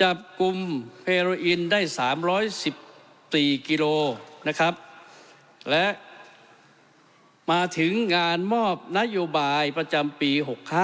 จับกลุ่มเฮโรอินได้๓๑๔กิโลนะครับและมาถึงงานมอบนโยบายประจำปี๖๕